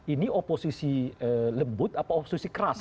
ini oposisi lembut apa oposisi keras